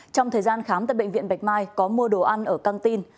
trong thời gian khám tại bệnh viện bạch mai có mua đồ ăn ở căng tin